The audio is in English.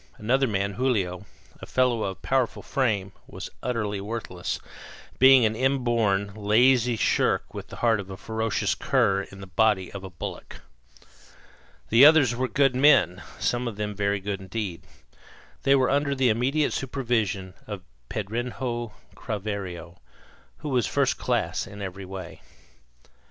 Another man, Julio, a fellow of powerful frame, was utterly worthless, being an inborn, lazy shirk with the heart of a ferocious cur in the body of a bullock. The others were good men, some of them very good indeed. They were under the immediate supervision of Pedrinho Craveiro, who was first class in every way.